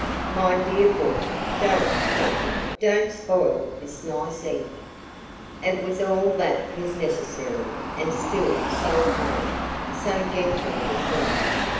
"My dear boy, don't don't! Don't spoil this nice evening " It was all that was necessary. And still so kind, so gentle with him!